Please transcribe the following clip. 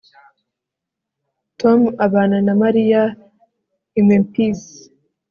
Tom abana na Mariya i Memphis